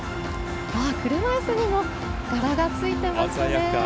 車いすにも、柄がついていますね。